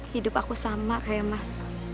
hidup aku sama kayak mas